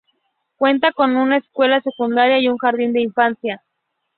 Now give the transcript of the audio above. Cuenta con una escuela secundaria y un jardín de infancia.